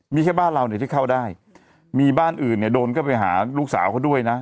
มีแค่บ้านเราเนี่ยที่เข้าได้มีบ้านอื่นเนี่ยโดนเข้าไปหาลูกสาวเขาด้วยนะ